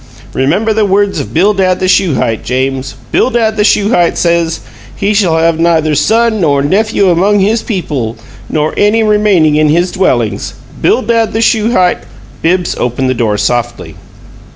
Remember the words of Bildad the Shuhite, James. Bildad the Shuhite says, 'He shall have neither son nor nephew among his people, nor any remaining in his dwellings.' Bildad the Shuhite " Bibbs opened the door softly.